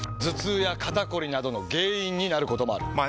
頭痛や肩こりなどの原因になることもある。